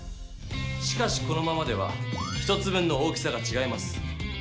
しかしこのままでは１つ分の大きさがちがいます。